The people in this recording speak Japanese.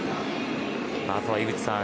あとは井口さん